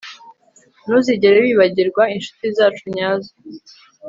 ntuzigere wibagirwa inshuti zacu nyazo